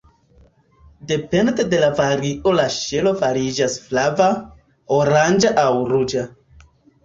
Depende de la vario la ŝelo fariĝas flava, oranĝa aŭ ruĝa.